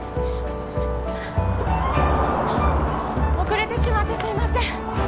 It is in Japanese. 遅れてしまってすいません